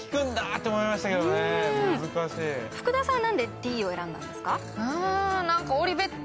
福田さん何で「Ｄ」を選んだんですか？